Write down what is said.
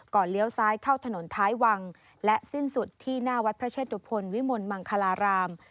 เลี้ยวซ้ายเข้าถนนท้ายวังและสิ้นสุดที่หน้าวัดพระเชตุพลวิมลมังคลาราม